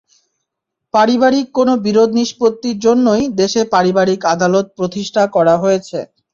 পারিবারিক কোনো বিরোধ নিষ্পত্তির জন্যই দেশে পারিবারিক আদালত প্রতিষ্ঠা করা হয়েছে।